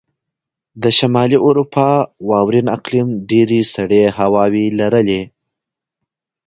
د شمالي اروپا واورین اقلیم ډېرې سړې هواوې لرلې.